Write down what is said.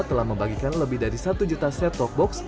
telah membagikan lebih dari satu juta set top box